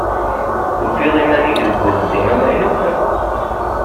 Tufiḍ iman-ik deg uxeddim amaynut?